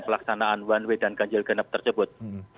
pelaksanaan one way dan kanjil genep tersebut